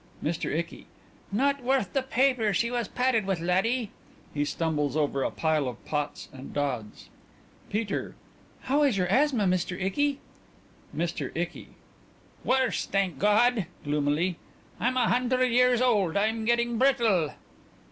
MR. ICKY: Not worth the paper she was padded with, laddie. (He stumbles over a pile of pots and dods.) PETER: How is your asthma, Mr. Icky? MR. ICKY: Worse, thank God!...(Gloomily.) I'm a hundred years old... I'm getting brittle.